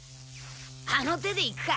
あの手でいくか。